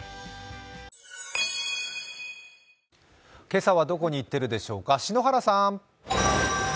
今朝はどこに行っているでしょうか、篠原さん。